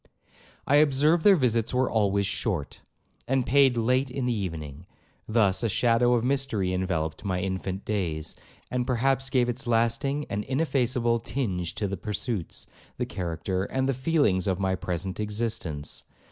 'I observed their visits were always short, and paid late in the evening; thus a shadow of mystery enveloped my infant days, and perhaps gave its lasting and ineffaceable tinge to the pursuits, the character, and the feelings of my present existence.